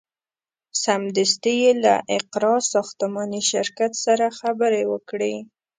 سمدستي یې له اقراء ساختماني شرکت سره خبرې وکړې.